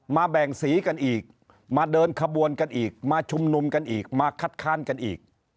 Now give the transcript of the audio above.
แบ่งสีกันอีกมาเดินขบวนกันอีกมาชุมนุมกันอีกมาคัดค้านกันอีก